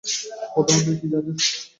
প্রধানমন্ত্রী কি জানেন?